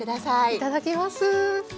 いただきます！